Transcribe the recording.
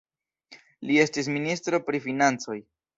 Li estis ministro pri Financoj.